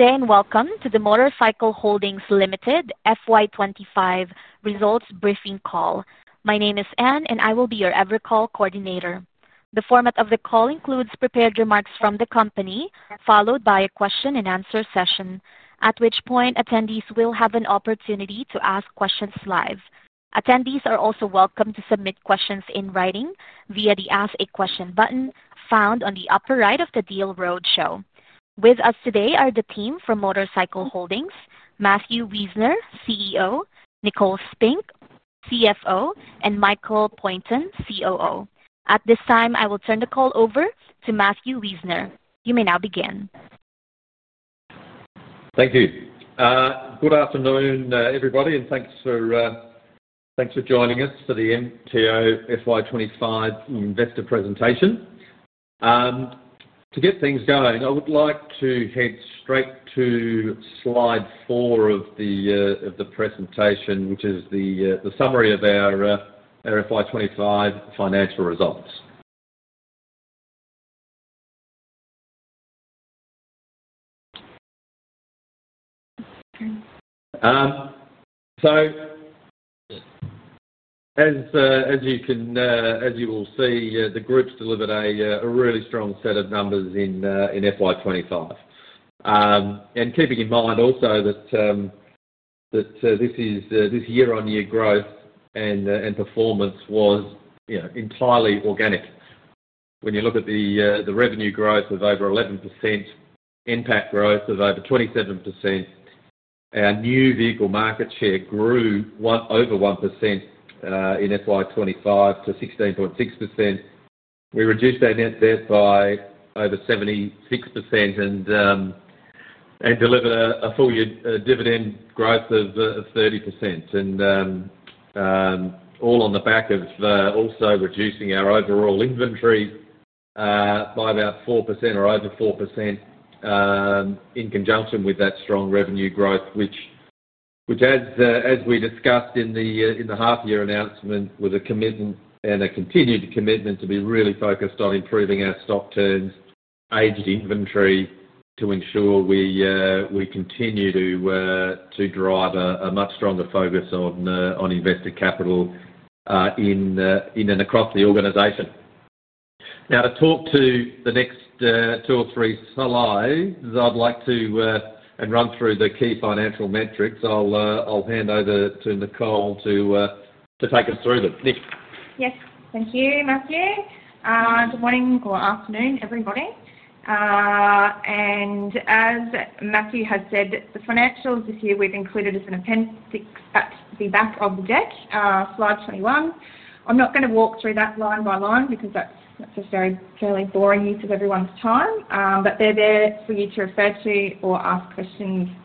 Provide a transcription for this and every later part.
Welcome to the MotorCycle Holdings Limited FY 2025 Results Briefing Call. My name is Ann, and I will be your call coordinator. The format of the call includes prepared remarks from the company, followed by a question and answer session, at which point attendees will have an opportunity to ask questions live. Attendees are also welcome to submit questions in writing via the Ask a Question button found on the upper right of the Deal Roadshow. With us today are the team from MotorCycle Holdings, Matthew Wiesner, CEO, Nicole Spink, CFO, and Michael Poynton, COO. At this time, I will turn the call over to Matthew Wiesner. You may now begin. Thank you. Good afternoon, everybody, and thanks for joining us for the MTO FY 2025 investor presentation. To get things going, I would like to head straight to slide four of the presentation, which is the summary of our FY 2025 financial results. As you will see, the group's delivered a really strong set of numbers in FY 2025. Keeping in mind also that this year on year growth and performance was entirely organic. When you look at the revenue growth of over 11%, impact growth of over 27%, our new vehicle market share grew one over 1% in FY 2025 to 16.6%. We reduced our net debt by over 76% and delivered a full-year dividend growth of 30%. All on the back of also reducing our overall inventory by about 4% or over 4% in conjunction with that strong revenue growth, which, as we discussed in the half-year announcement, was a commitment and a continued commitment to be really focused on improving our stock terms, aged inventory, to ensure we continue to drive a much stronger focus on investor capital in and across the organization. Now, to talk to the next two or three slides, I'd like to run through the key financial metrics. I'll hand over to Nicole to take us through them. Nick? Yes. Thank you, Matthew. Good morning or afternoon, everybody. As Matthew had said, the financials this year we've included as an appendix at the back of the deck, slide 21. I'm not going to walk through that line by line because that's necessarily a fairly boring use of everyone's time, but they're there for you to refer to or ask questions in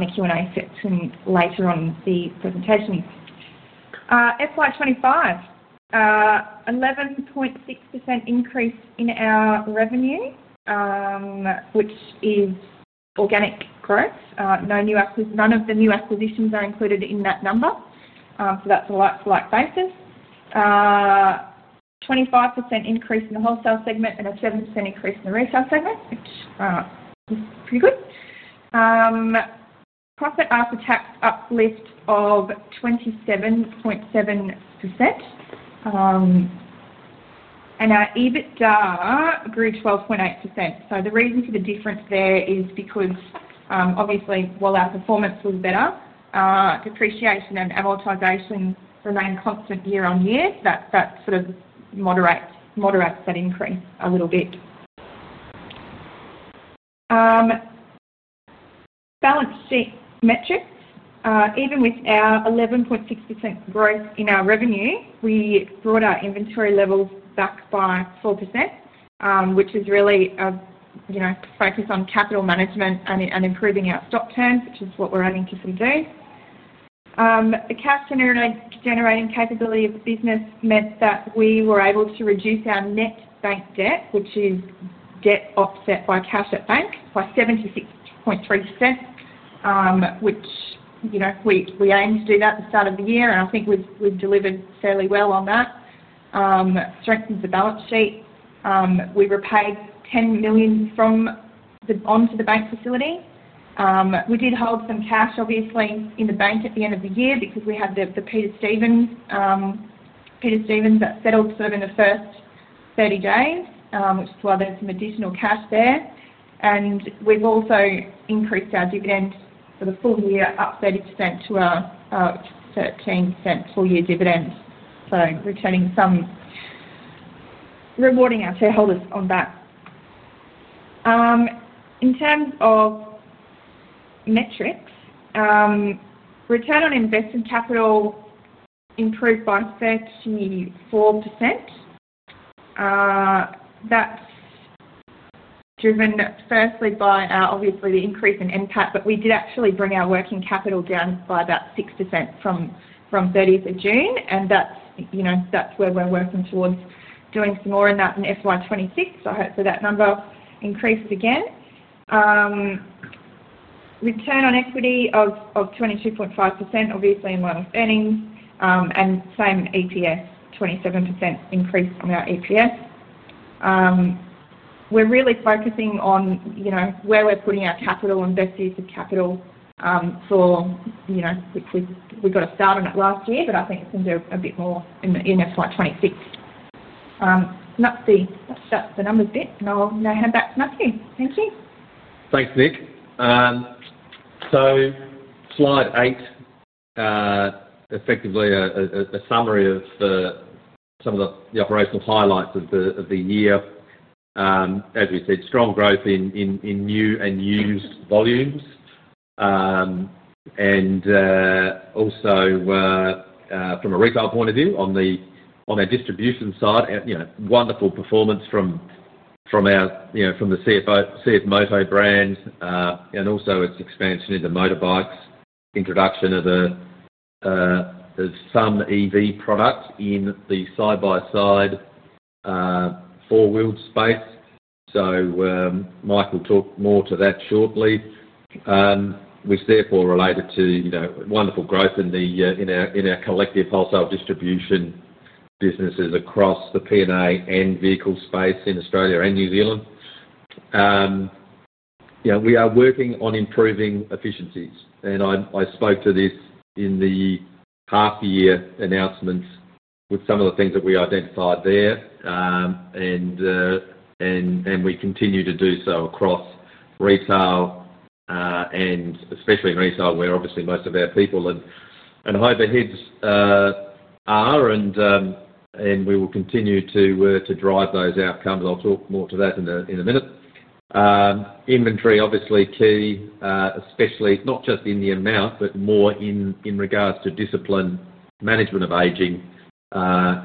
the Q&A section later on the presentation. FY 2025, 11.6% increase in our revenue, which is organic growth. None of the new acquisitions are included in that number. That's a slight basis. 25% increase in the wholesale segment and a 7% increase in the retail segment, which is pretty good. Profit after tax uplift of 27.7%. Our EBITDA grew 12.8%. The reason for the difference there is because, obviously, while our performance was better, depreciation and amortization remain constant year on year. That sort of moderates that increase a little bit. Balance sheet metrics, even with our 11.6% growth in our revenue, we brought our inventory levels back by 4%, which is really a focus on capital management and improving our stock terms, which is what we're adding to some days. The cash generating capability of the business meant that we were able to reduce our net debt, which is debt offset by cash at bank, by 76.3%, which, you know, we aimed to do that at the start of the year, and I think we've delivered fairly well on that. Strength of the balance sheet, we repaid $10 million from the onto the bank facility. We did hold some cash, obviously, in the bank at the end of the year because we had the Peter Stevens that settled sort of in the first 30 days, which is why there's some additional cash there. We've also increased our dividend for the full year up 30% to our 13% full-year dividend. Returning some, rewarding our shareholders on that. In terms of metrics, return on invested capital improved by 34%. That's driven firstly by, obviously, the increase in impact, but we did actually bring our working capital down by about 6% from 30th of June. That's, you know, that's where we're working towards doing some more in that in FY 2026. I hope that that number increases again. Return on equity of 22.5%, obviously, in line with earnings. Same EPS, 27% increase on our EPS. We're really focusing on, you know, where we're putting our capital, investors' capital, for, you know, because we got a start on it last year, but I think it's going to do a bit more in FY 2026. That's the numbers bit. I'll now hand back to Matthew. Thank you. Thanks, Nick. Slide eight, effectively a summary of some of the operational highlights of the year. As we said, strong growth in new and used volumes. Also, from a retail point of view, on the distribution side, wonderful performance from the CFMOTO brand and also its expansion into motorbikes, introduction of some EV product in the side-by-side four-wheeled space. Michael will talk more to that shortly, which therefore related to wonderful growth in our collective wholesale distribution businesses across the P&A and vehicle space in Australia and New Zealand. We are working on improving efficiencies. I spoke to this in the half-year announcements with some of the things that we identified there. We continue to do so across retail, especially retail where, obviously, most of our people and overheads are. We will continue to drive those outcomes. I'll talk more to that in a minute. Inventory, obviously, key, especially not just in the amount, but more in regards to discipline, management of aging. We'll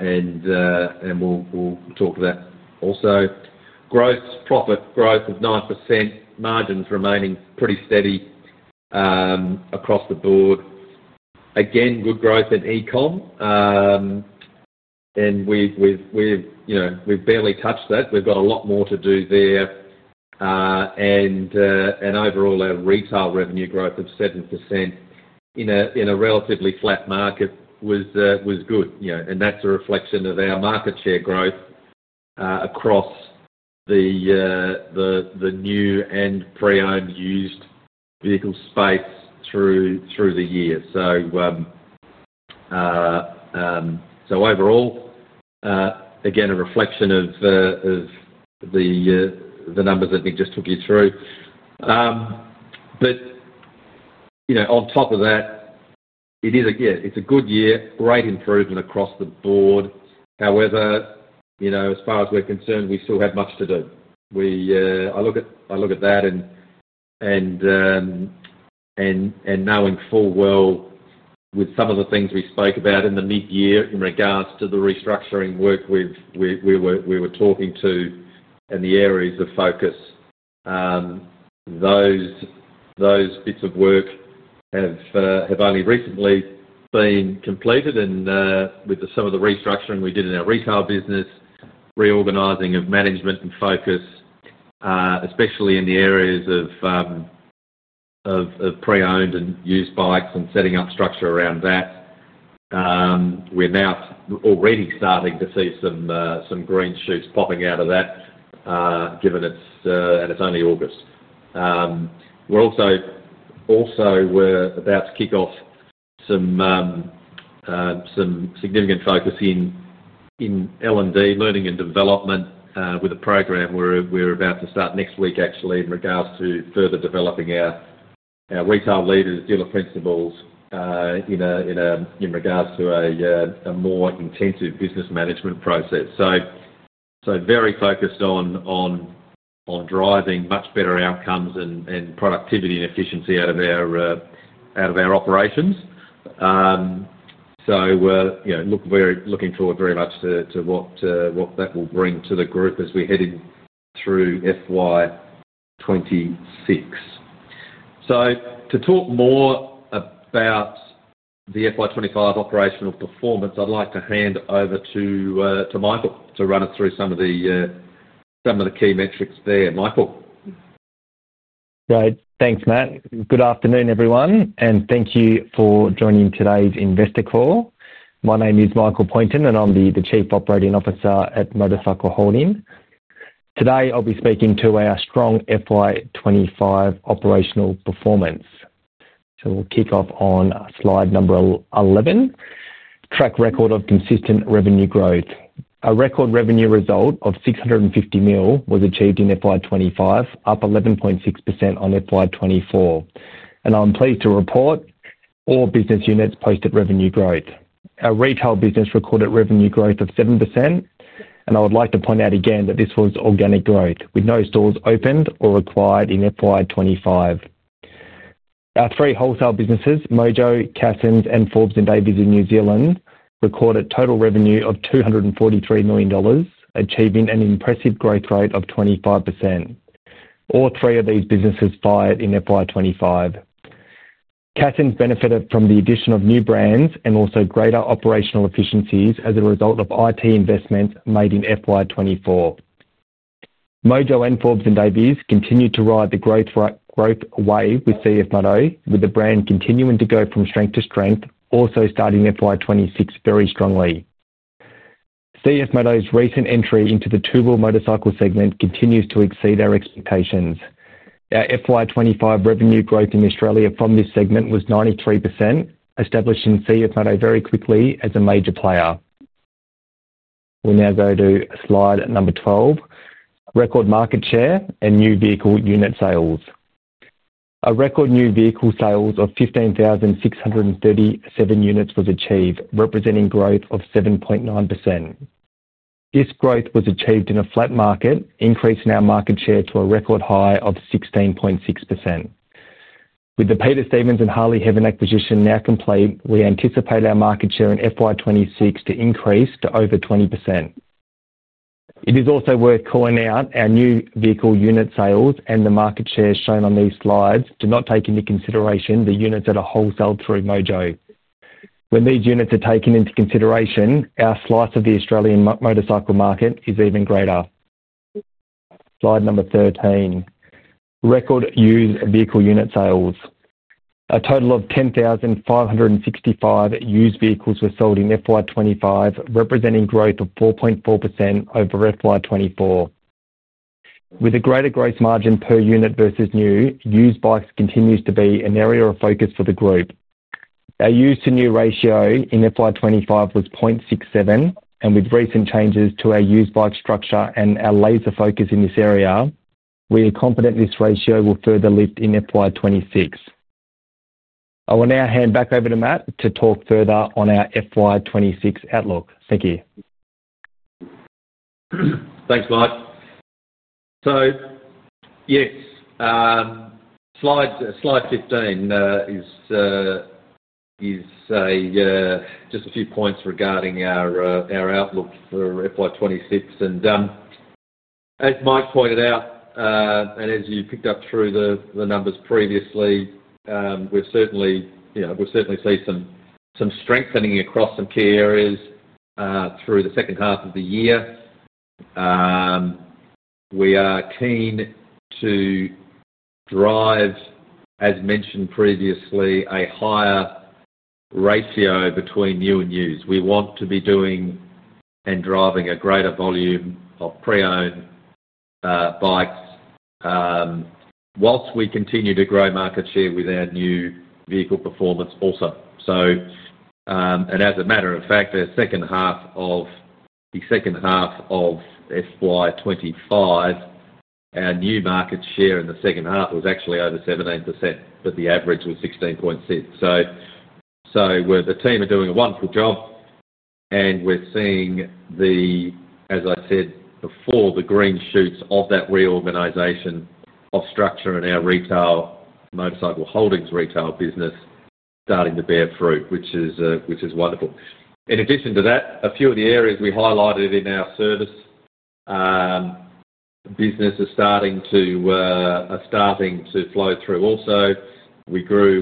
talk to that. Also, profit growth of 9%, margins remaining pretty steady across the board. Again, good growth in ecom. We've barely touched that. We've got a lot more to do there. Overall, our retail revenue growth of 7% in a relatively flat market was good. That's a reflection of our market share growth across the new and pre-owned used vehicle space through the year. Overall, again, a reflection of the numbers that we just took you through. On top of that, it is a good year, great improvement across the board. However, as far as we're concerned, we still have much to do. I look at that and know in full well with some of the things we spoke about in the mid-year in regards to the restructuring work we were talking to and the areas of focus. Those bits of work have only recently been completed with some of the restructuring we did in our retail business, reorganizing of management and focus, especially in the areas of pre-owned and used bikes and setting up structure around that. We're now already starting to see some green shoots popping out of that, given it's only August. We're also about to kick off some significant focus in L&D, learning and development, with a program we're about to start next week, actually, in regards to further developing our retail leaders, dealer principals in regards to a more intensive business management process. Very focused on driving much better outcomes and productivity and efficiency out of our operations. We're looking forward very much to what that will bring to the group as we're heading through FY 2026. To talk more about the FY 2025 operational performance, I'd like to hand over to Michael to run it through some of the key metrics there. Michael? Right. Thanks, Matt. Good afternoon, everyone, and thank you for joining today's investor call. My name is Michael Poynton, and I'm the Chief Operating Officer at MotorCycle Holdings. Today, I'll be speaking to our strong FY 2025 operational performance. We'll kick off on slide number 11, track record of consistent revenue growth. A record revenue result of $650 million was achieved in FY 2025, up 11.6% on FY 2024. I'm pleased to report all business units posted revenue growth. Our retail business recorded revenue growth of 7%. I would like to point out again that this was organic growth, with no stores opened or acquired in FY 2025. Our three wholesale businesses, Mojo, Cassons, and Forbes and Davies in New Zealand, recorded total revenue of $243 million, achieving an impressive growth rate of 25%. All three of these businesses fired in FY 2025. Cassons benefited from the addition of new brands and also greater operational efficiencies as a result of IT investments made in FY 2024. Mojo and Forbes and Davies continue to ride the growth wave with CFMOTO, with the brand continuing to go from strength to strength, also starting FY 2026 very strongly. CFMOTO's recent entry into the two-wheel motorcycle segment continues to exceed our expectations. Our FY 2025 revenue growth in Australia from this segment was 93%, establishing CFMOTO very quickly as a major player. We'll now go to slide number 12, record market share and new vehicle unit sales. A record new vehicle sales of 15,637 units was achieved, representing growth of 7.9%. This growth was achieved in a flat market, increasing our market share to a record high of 16.6%. With the Peter Stevens and Harley Heaven acquisition now complete, we anticipate our market share in FY 2026 to increase to over 20%. It is also worth calling out our new vehicle unit sales and the market share shown on these slides do not take into consideration the units that are wholesaled through Mojo. When these units are taken into consideration, our slice of the Australian motorcycle market is even greater. Slide number 13, record used vehicle unit sales. A total of 10,565 used vehicles were sold in FY 2025, representing growth of 4.4% over FY 2024. With a greater gross margin per unit versus new, used bikes continues to be an area of focus for the group. Our used to new ratio in FY 2025 was 0.67, and with recent changes to our used bike structure and our laser focus in this area, we are confident this ratio will further lift in FY 2026. I will now hand back over to Matt to talk further on our FY 2026 outlook. Thank you. Thanks, Mike. Slide 15 is just a few points regarding our outlook for FY 2026. As Mike pointed out, and as you picked up through the numbers previously, we'll certainly see some strengthening across some key areas through the second half of the year. We are keen to drive, as mentioned previously, a higher ratio between new and used. We want to be doing and driving a greater volume of pre-owned bikes whilst we continue to grow market share with our new vehicle performance also. As a matter of fact, the second half of FY 2025, our new market share in the second half was actually over 17%, but the average was [16.6%]. The team are doing a wonderful job. We're seeing the, as I said before, the green shoots of that reorganisation of structure in our Motorcycle Holdings retail business starting to bear fruit, which is wonderful. In addition to that, a few of the areas we highlighted in our service business are starting to flow through. We grew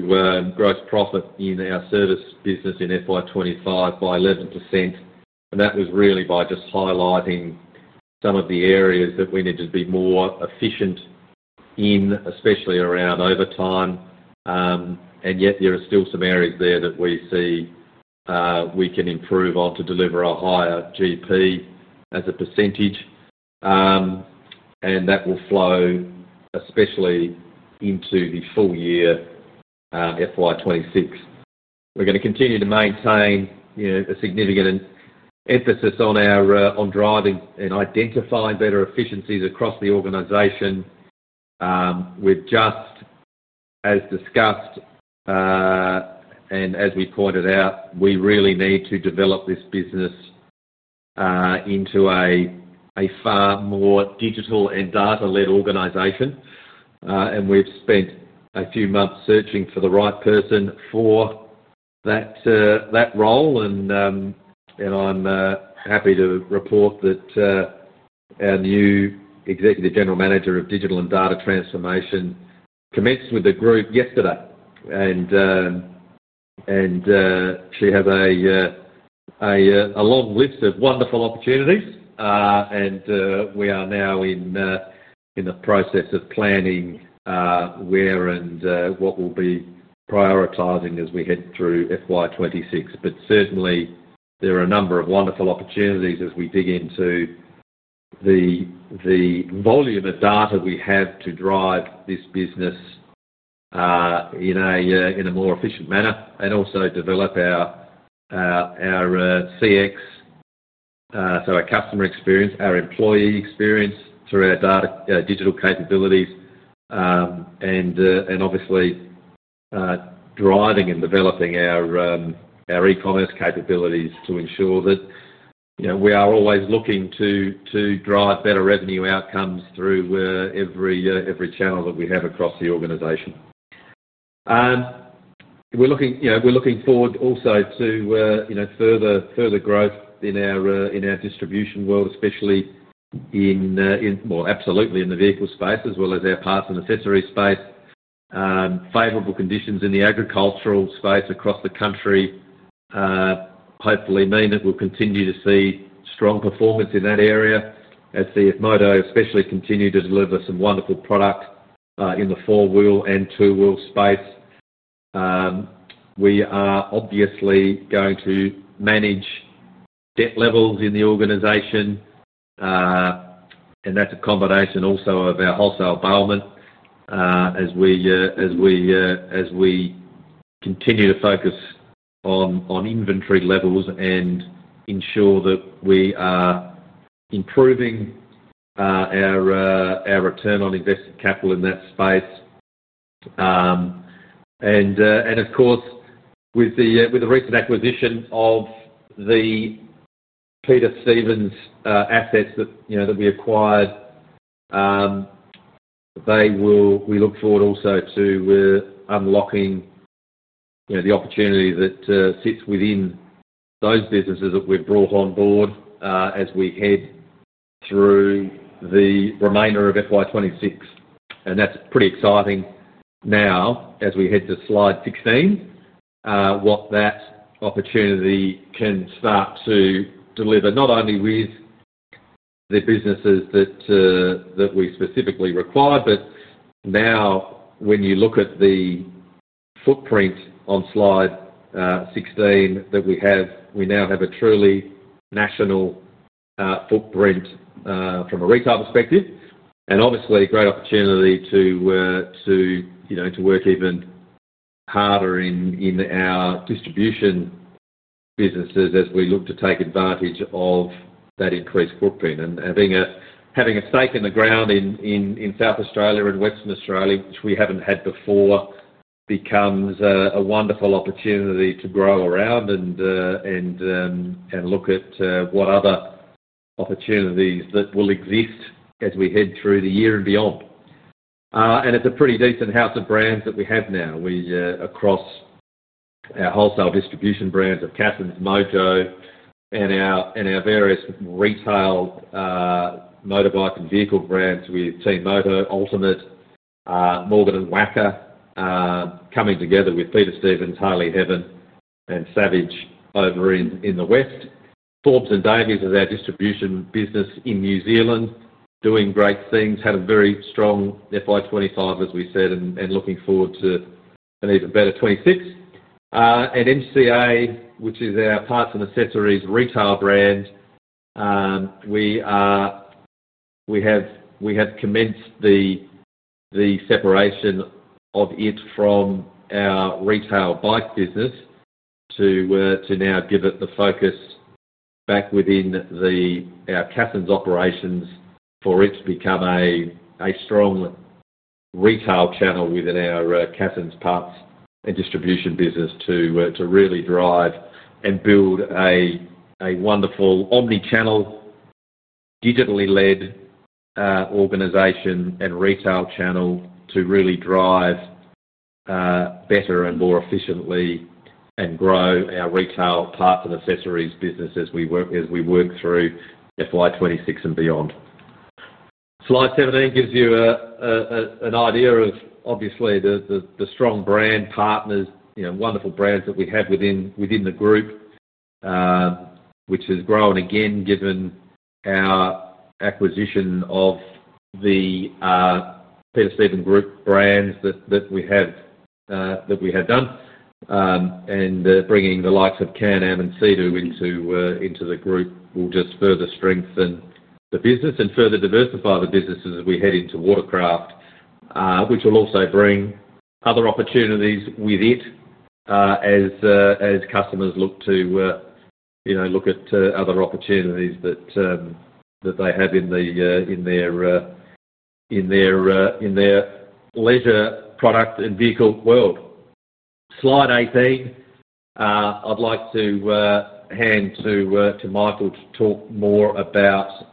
gross profit in our service business in FY 2025 by 11%. That was really by just highlighting some of the areas that we needed to be more efficient in, especially around overtime. Yet there are still some areas there that we see we can improve on to deliver a higher GP as a percentage. That will flow especially into the full year FY 2026. We're going to continue to maintain a significant emphasis on driving and identifying better efficiencies across the organization with just as discussed. As we pointed out, we really need to develop this business into a far more digital and data-led organization. We've spent a few months searching for the right person for that role. I'm happy to report that our new Executive General Manager of digital and data transformation commenced with the group yesterday. She has a long list of wonderful opportunities. We are now in the process of planning where and what we'll be prioritizing as we head through FY 2026. Certainly, there are a number of wonderful opportunities as we dig into the volume of data we have to drive this business in a more efficient manner and also develop our CX, so our customer experience, our employee experience through our data digital capabilities. Obviously, driving and developing our ecommerce capabilities to ensure that we are always looking to drive better revenue outcomes through every channel that we have across the organization. We're looking forward also to further growth in our distribution world, especially in, absolutely in the vehicle space, as well as our parts and accessories space. Favorable conditions in the agricultural space across the country hopefully mean that we'll continue to see strong performance in that area, as CFMOTO especially continued to deliver some wonderful product in the four-wheel and two-wheel space. We are obviously going to manage debt levels in the organization. That's a combination also of our wholesale involvement as we continue to focus on inventory levels and ensure that we are improving our return on invested capital in that space. With the recent acquisition of the Peter Stevens assets that we acquired, we look forward also to unlocking the opportunity that sits within those businesses that we've brought on board as we head through the remainder of FY 2026. That's pretty exciting now as we head to slide 16, what that opportunity can start to deliver not only with the businesses that we specifically required, but now when you look at the footprint on slide 16 that we have, we now have a truly national footprint from a retail perspective. Obviously, a great opportunity to work even harder in our distribution businesses as we look to take advantage of that increased footprint. Having a stake in the ground in South Australia and Western Australia, which we haven't had before, becomes a wonderful opportunity to grow around and look at what other opportunities that will exist as we head through the year and beyond. It's a pretty decent house of brands that we have now. We, across our wholesale distribution brands of Cassons, Mojo, and our various retail motorbike and vehicle brands with TeamMoto, Ultimate, Morgan & Wacker, coming together with Peter Stevens, Harley Heaven, and Savage over in the West. Forbes and Davies is our distribution business in New Zealand, doing great things, had a very strong FY 2025, as we said, and looking forward to an even better 2026. At MCA, which is our parts and accessories retail brand, we have commenced the separation of it from our retail bike business to now give it the focus back within our Cassons operations for it to become a strong retail channel within our Cassons parts and distribution business to really drive and build a wonderful omnichannel, digitally led organization and retail channel to really drive better and more efficiently and grow our retail parts and accessories business as we work through FY 2026 and beyond. Slide 17 gives you an idea of, obviously, the strong brand partners, wonderful brands that we have within the group, which has grown again given our acquisition of the Peter Stevens Group brands that we had done. Bringing the likes of Can-Am and Sea-Doo into the group will just further strengthen the business and further diversify the businesses as we head into watercraft, which will also bring other opportunities with it as customers look to, you know, look at other opportunities that they have in their leisure product and vehicle world. Slide 18, I'd like to hand to Michael to talk more about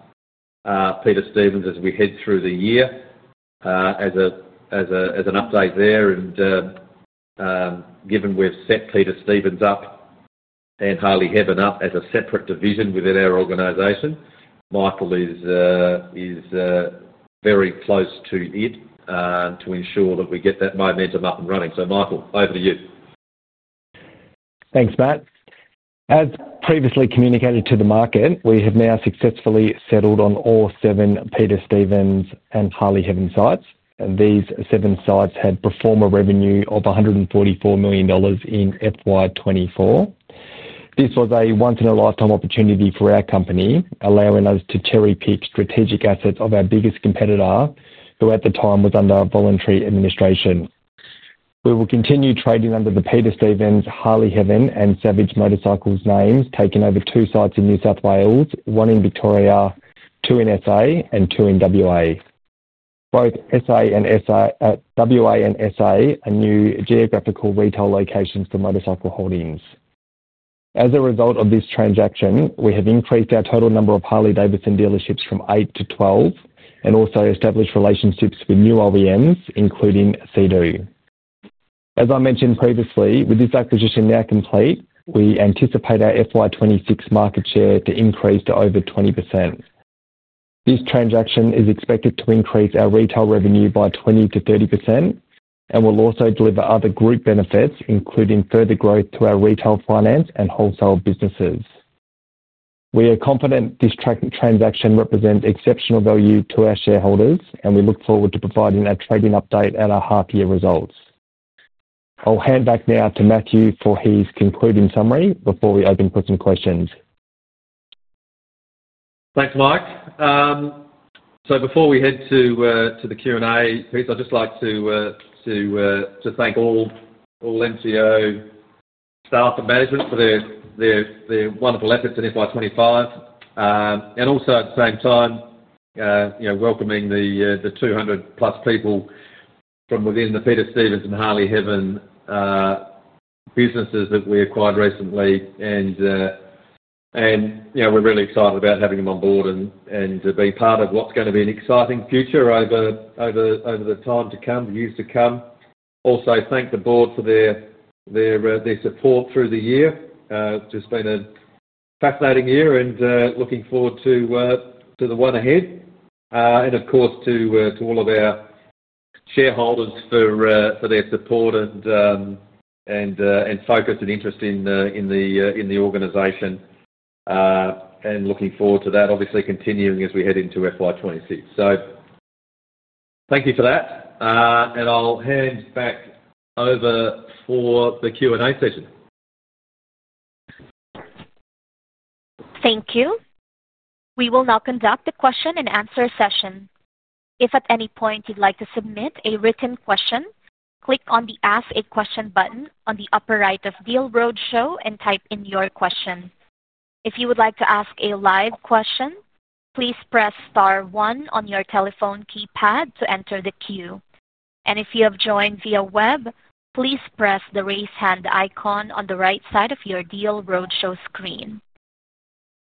Peter Stevens as we head through the year as an update there. Given we've set Peter Stevens up and Harley Heaven up as a separate division within our organization, Michael is very close to it and to ensure that we get that momentum up and running. Michael, over to you. Thanks, Matt. As previously communicated to the market, we have now successfully settled on all seven Peter Stevens and Harley Heaven sites. These seven sites had performed a revenue of $144 million in FY 2024. This was a once-in-a-lifetime opportunity for our company, allowing us to cherry-pick strategic assets of our biggest competitor, who at the time was under voluntary administration. We will continue trading under the Peter Stevens, Harley Heaven, and Savage Motorcycles names, taking over two sites in New South Wales, one in Victoria, two in SA, and two in WA. Both WA and SA are new geographical retail locations for MotorCycle Holdings. As a result of this transaction, we have increased our total number of Harley-Davidson dealerships from eight to 12 and also established relationships with new OEMs, including Sea-Doo. As I mentioned previously, with this acquisition now complete, we anticipate our FY 2026 market share to increase to over 20%. This transaction is expected to increase our retail revenue by 20% to 30% and will also deliver other group benefits, including further growth to our retail finance and wholesale businesses. We are confident this transaction represents exceptional value to our shareholders, and we look forward to providing a trading update and our half-year results. I'll hand back now to Matthew for his concluding summary before we open for some questions. Thanks, Mike. Before we head to the Q&A, I'd just like to thank all MTO staff and management for their wonderful efforts in FY 2025. Also, at the same time, welcoming the 200+ people from within the Peter Stevens and Harley Heaven businesses that we acquired recently. We're really excited about having them on board and being part of what's going to be an exciting future over the years to come. Also, thank the board for their support through the year, which has been a fascinating year, and looking forward to the one ahead. Of course, to all of our shareholders for their support and focus and interest in the organization. Looking forward to that, obviously, continuing as we head into FY 2026. Thank you for that. I'll hand back over for the Q&A session. Thank you. We will now conduct a question and answer session. If at any point you'd like to submit a written question, click on the Ask a Question button on the upper right of the Deal Roadshow and type in your question. If you would like to ask a live question, please press star one on your telephone keypad to enter the queue. If you have joined via web, please press the raise hand icon on the right side of your Deal Roadshow screen.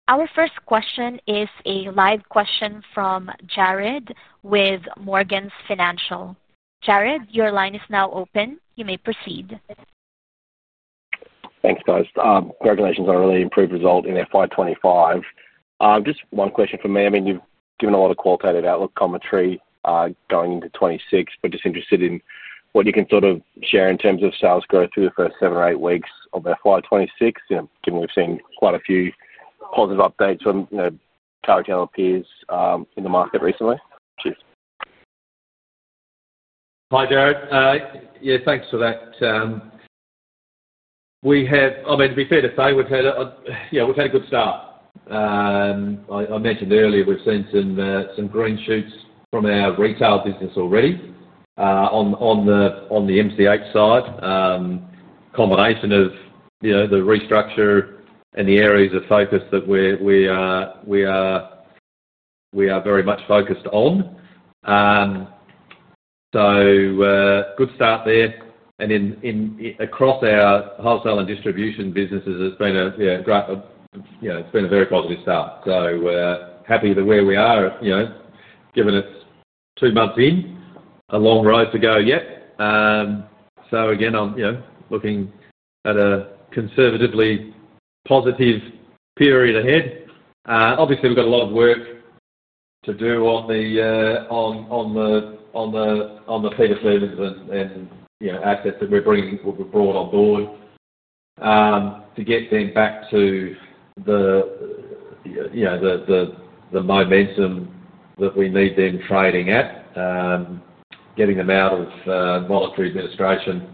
Our first question is a live question from Jared with Morgans Financial. Jared, your line is now open. You may proceed. Thanks, guys. Congratulations on a really improved result in FY 2025. Just one question from me. I mean, you've given a lot of qualitative outlook commentary going into 2026, but just interested in what you can sort of share in terms of sales growth through the first seven or eight weeks of FY 2026, given we've seen quite a few positive updates from car retailer peers in the market recently. Hi, Jared. Yeah, thanks for that. We've had a good start. I mentioned earlier, we've seen some green shoots from our retail business already on the MCA side, a combination of the restructure and the areas of focus that we are very much focused on. A good start there. Across our wholesale and distribution businesses, it's been a very positive start. We're happy with where we are, given it's two months in, a long road to go yet. I'm looking at a conservatively positive period ahead. Obviously, we've got a lot of work to do on the Peter Stevens and assets that we're bringing forward on board. Getting back to the momentum that we need in trading, getting them out of voluntary registration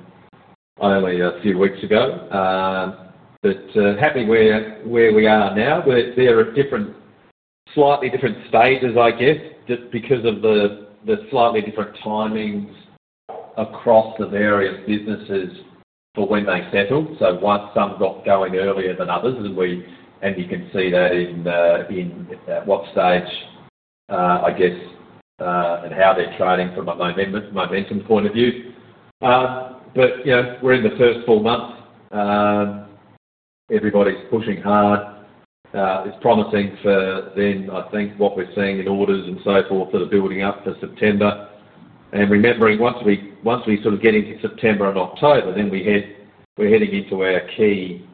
only a few weeks ago. Happy where we are now. We're at slightly different stages, I guess, just because of the slightly different timings across the various businesses for when they settled. Some have got going earlier than others. You can see that in what stage, I guess, and how they're trading from a momentum point of view. We're in the first full month. Everybody's pushing hard. It's promising for them, I think, what we're seeing in orders and so forth that are building up for September. Remembering, once we sort of get into September and October, then we're heading into our key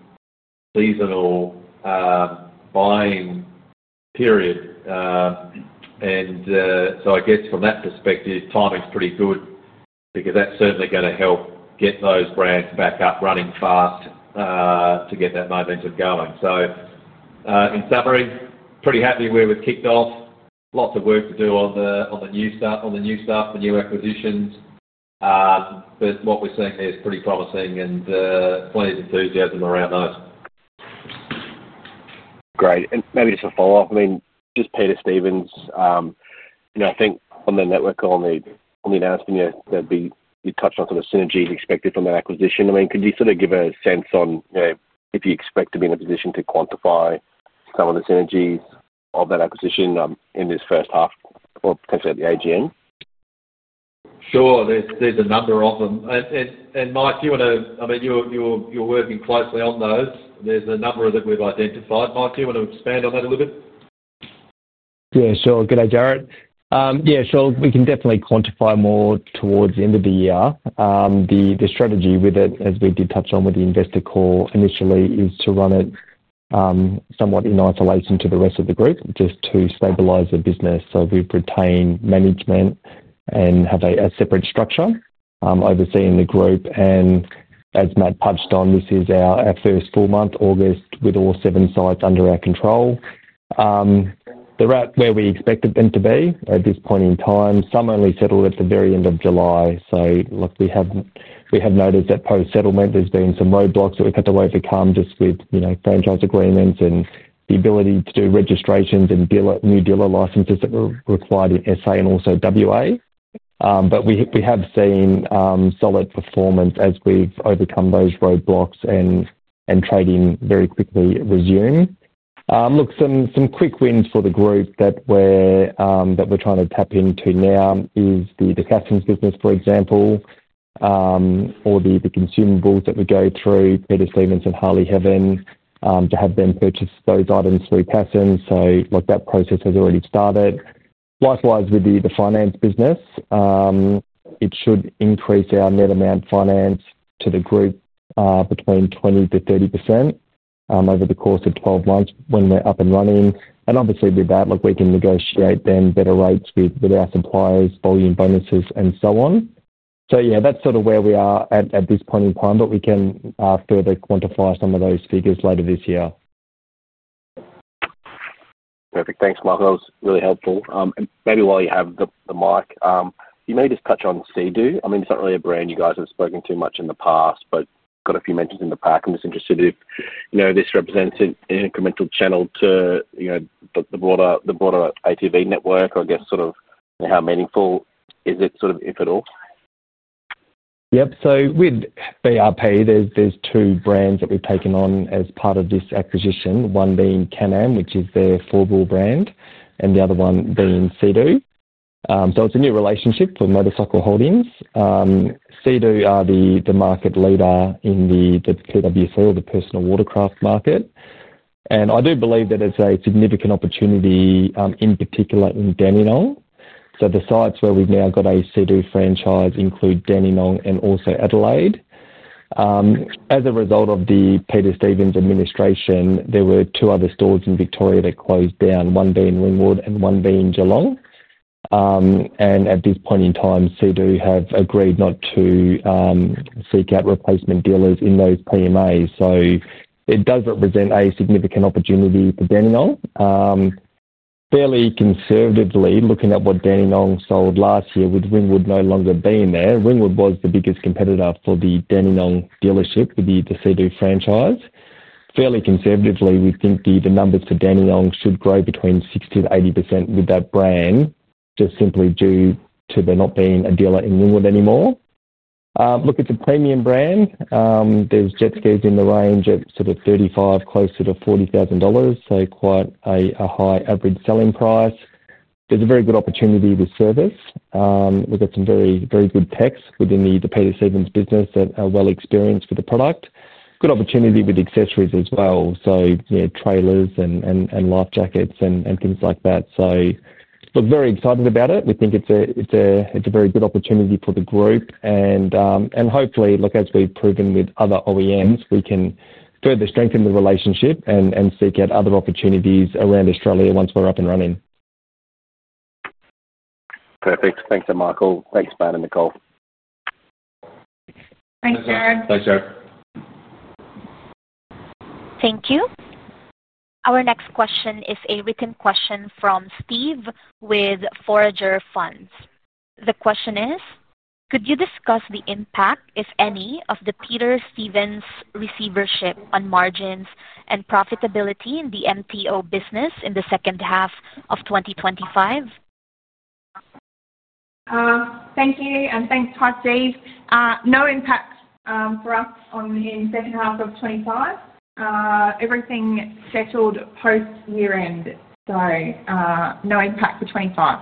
seasonal buying period. From that perspective, timing's pretty good because that's certainly going to help get those brands back up running fast to get that momentum going. In summary, pretty happy where we've kicked off. Lots of work to do on the new stuff, the new acquisitions. What we're seeing here is pretty promising and pleased enthusiasm around those. Great. Maybe just a follow-up. Peter Stevens, you know, I think on their network call on the announcement, you touched on some of the synergies expected from that acquisition. Could you sort of give a sense on if you expect to be in a position to quantify some of the synergies of that acquisition in this first half or potentially at the AGM? Sure. There are a number of them. Mike, do you want to, I mean, you're working closely on those. There are a number of them we've identified. Mike, do you want to expand on that a little bit? Yeah, sure. Good day, Jared. Yeah, sure. We can definitely quantify more towards the end of the year. The strategy with it, as we did touch on with the investor call initially, is to run it somewhat in isolation to the rest of the group, just to stabilize the business. We've retained management and have a separate structure overseeing the group. As Matt touched on, this is our first full month, August, with all seven sites under our control. They're at where we expected them to be at this point in time. Some only settled at the very end of July. We have noticed that post-settlement, there's been some roadblocks that we've had to overcome just with franchise agreements and the ability to do registrations and new dealer licenses that were required in SA and also WA. We have seen solid performance as we've overcome those roadblocks and trading very quickly resumed. Some quick wins for the group that we're trying to tap into now is the Cassons business, for example, or the consumables that we go through Peter Stevens and Harley Heaven to have them purchase those items through Cassons. That process has already started. Likewise, with the finance business, it should increase our net amount financed to the group between 20% to 30% over the course of 12 months when we're up and running. Obviously, with that, we can negotiate then better rates with our suppliers, volume bonuses, and so on. That's sort of where we are at this point in time, but we can further quantify some of those figures later this year. Perfect. Thanks, Michael. That was really helpful. Maybe while you have the mic, you may just touch on Sea-Doo. I mean, it's not really a brand you guys have spoken to much in the past, but got a few mentions in the past. I'm just interested if this represents an incremental channel to the broader ATV network or I guess sort of how meaningful is it, if at all? Yep. With BRP, there's two brands that we've taken on as part of this acquisition, one being Can-Am, which is their four-wheel brand, and the other one that is Sea-Doo. It's a new relationship for MotorCycle Holdings. Sea-Doo are the market leader in the PWC or the personal watercraft market. I do believe that it's a significant opportunity, in particular in Dandenong. The sites where we've now got a Sea-Doo franchise include Dandenong and also Adelaide. As a result of the Peter Stevens administration, there were two other stores in Victoria that closed down, one being Ringwood and one being Geelong. At this point in time, Sea-Doo have agreed not to seek out replacement dealers in those PMA. It does represent a significant opportunity for Dandenong. Fairly conservatively, looking at what Dandenong sold last year with Ringwood no longer being there, Ringwood was the biggest competitor for the Dandenong dealership with the Sea-Doo franchise. Fairly conservatively, we think the numbers for Dandenong should grow between 60% to 80% with that brand, just simply due to there not being a dealer in Ringwood anymore. It's a premium brand. There's jet skiers in the range of sort of $35,000, close to $40,000. Quite a high average selling price. There's a very good opportunity with service. We've got some very, very good techs within the Peter Stevens business that are well experienced with the product. Good opportunity with accessories as well, you know, trailers and life jackets and things like that. We're very excited about it. We think it's a very good opportunity for the group. Hopefully, as we've proven with other OEMs, we can further strengthen the relationship and seek out other opportunities around Australia once we're up and running. Perfect. Thanks, Michael. Thanks, Matt and Nicole. Thanks, Jared. Thanks, Jared. Thank you. Our next question is a written question from Steve with Forager Funds. The question is, could you discuss the impact, if any, of the Peter Stevens receivership on margins and profitability in the MTO business in the second half of 2025? Thank you, and thanks, Todd, Steve. No impact for us on the second half of 2025. Everything scheduled post-year-end. No impact for 2025.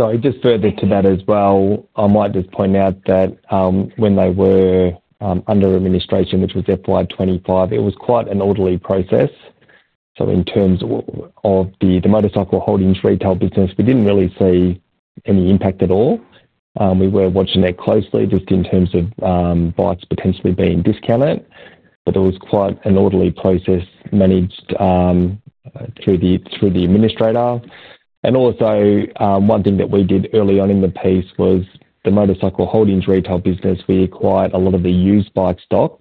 I'd just further to that as well, I might just point out that when they were under administration, which was FY 2025, it was quite an orderly process. In terms of the MotorCycle Holdings retail business, we didn't really see any impact at all. We were watching that closely just in terms of bikes potentially being discounted. It was quite an orderly process managed through the administrator. One thing that we did early on in the piece was the MotorCycle Holdings retail business. We acquired a lot of the used bike stock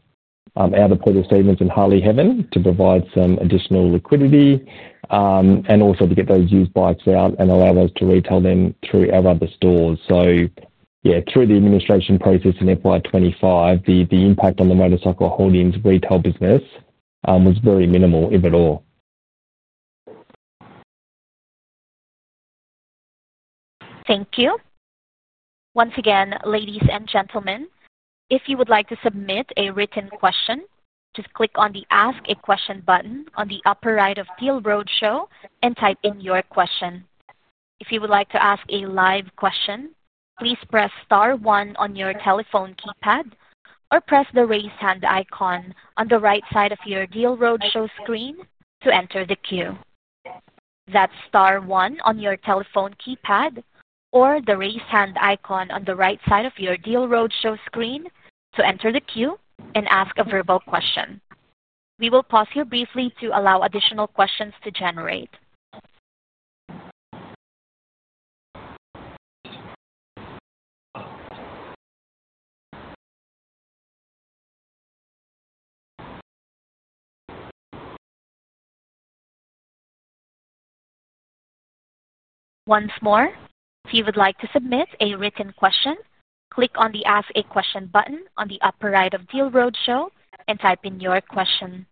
out of Peter Stevens and Harley Heaven to provide some additional liquidity and also to get those used bikes out and allow us to retail them through our other stores. Through the administration process in FY 2025, the impact on the MotorCycle Holdings retail business was very minimal, if at all. Thank you. Once again, ladies and gentlemen, if you would like to submit a written question, just click on the Ask a Question button on the upper right of Deal Roadshow and type in your question. If you would like to ask a live question, please press star one on your telephone keypad or press the raise hand icon on the right side of your Deal Roadshow screen to enter the queue. That's star one on your telephone keypad or the raise hand icon on the right side of your Deal Roadshow screen to enter the queue and ask a verbal question. We will pause here briefly to allow additional questions to generate. Once more, if you would like to submit a written question, click on the Ask a Question button on the upper right of Deal Roadshow and type in your question.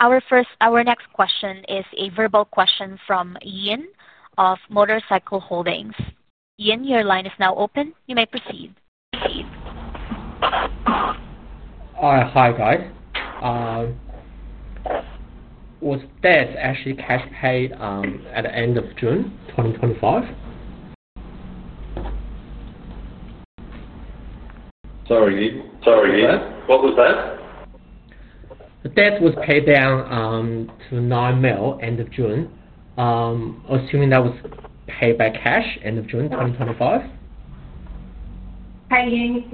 Our next question is a verbal question from Ian of MotorCycle Holdings. Ian, your line is now open. You may proceed. Hi, guys. Was TES actually cash paid at the end of June 2025? Sorry, Ian. What was that? The TES was paid down to $9 million end of June. Assuming that was paid by cash end of June 2025. Apologies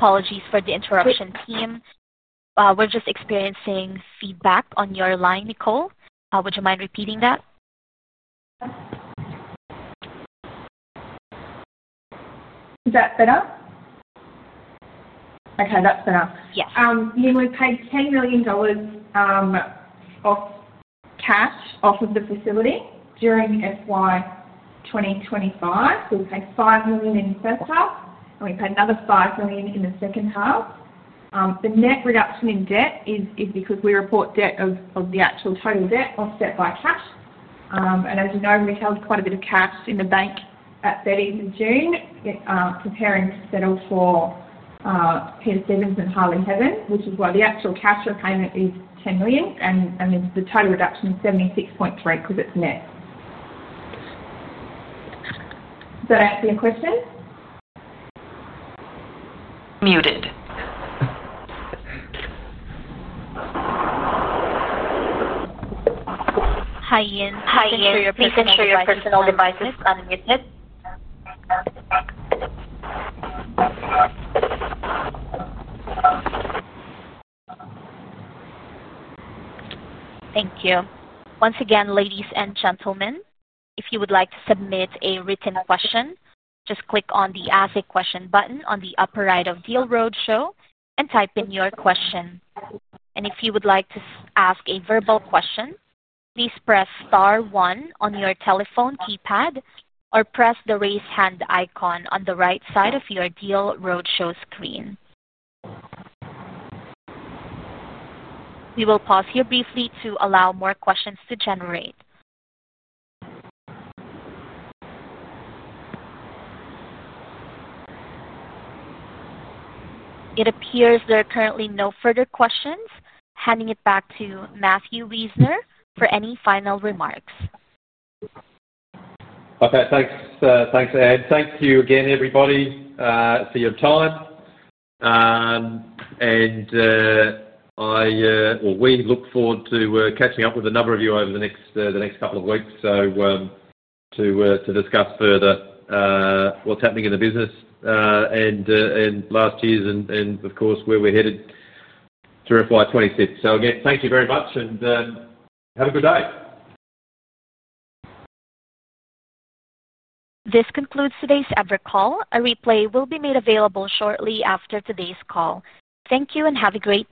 for the interruption, team. We're just experiencing feedback on your line, Nicole. Would you mind repeating that? Is that better? Okay, that's better. Yeah. We paid $10 million off cash off of the facility during FY 2025. We paid $5 million in the first half, and we paid another $5 million in the second half. The net reduction in debt is because we report debt of the actual total debt offset by cash. As you know, we held quite a bit of cash in the bank at 30th of June, preparing to settle for Peter Stevens and Harley Heaven, which is why the actual cash repayment is $10 million. The total reduction is $76.3 million because it's net. Did I ask you a question? Muted. Hi, Ian. Hi, Ian. Just for your personal devices unmuted. Thank you. Once again, ladies and gentlemen, if you would like to submit a written question, just click on the Ask a Question button on the upper right of Deal Roadshow and type in your question. If you would like to ask a verbal question, please press star one on your telephone keypad or press the raise hand icon on the right side of your Deal Roadshow screen. We will pause here briefly to allow more questions to generate. It appears there are currently no further questions, handing it back to Matthew Wiesner for any final remarks. Okay, thanks, thanks, Ann. Thank you again, everybody, for your time. We look forward to catching up with a number of you over the next couple of weeks to discuss further what's happening in the business and last years and, of course, where we're headed to FY 2026. Again, thank you very much and have a good day. This concludes today's call. A replay will be made available shortly after today's call. Thank you and have a great day.